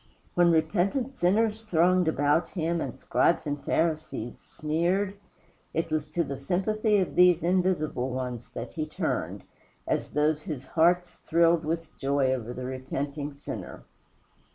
When repentant sinners thronged about him and Scribes and Pharisees sneered, it was to the sympathy of these invisible ones that he turned, as those whose hearts thrilled with joy over the repenting sinner.